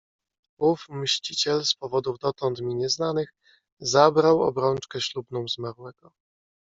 "Ów mściciel, z powodów dotąd mi nieznanych, zabrał obrączkę ślubną zmarłego."